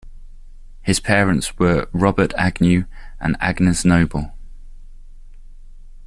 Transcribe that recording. His parents were Robert Agnew and Agnes Noble.